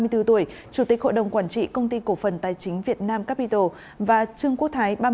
hai mươi bốn tuổi chủ tịch hội đồng quản trị công ty cổ phần tài chính việt nam capital và trương quốc thái